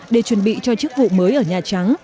để chuẩn bị cho chức vụ mới ở nhà trắng